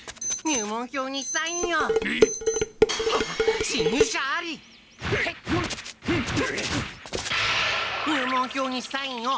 入門票にサインを。